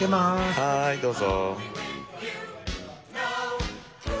はいどうぞ。